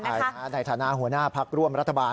ในฐานะแห่งหัวหน้าภาคร่วมรัฐบาล